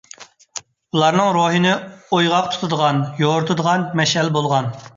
ئۇلارنىڭ روھىنى ئويغاق تۇتىدىغان، يورۇتىدىغان مەشئەل بولغان.